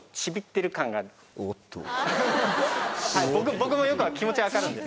僕もよく気持ち分かるんです。